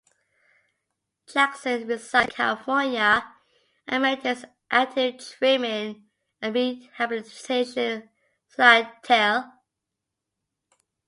Jackson resides in Central California and maintains an active trimming and rehabilitation clientele.